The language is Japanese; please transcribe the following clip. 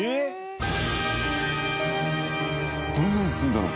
どんな味するんだろう？